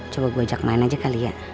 coba gue ajak main aja kali ya